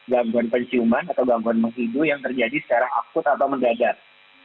gangguan penciuman atau gangguan menghidu yang terjadi secara akut atau mendadak